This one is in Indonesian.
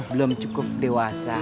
belum cukup dewasa